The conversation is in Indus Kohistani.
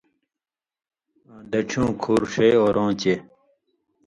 آں دڇھیوں کھُور ݜے اورؤں چے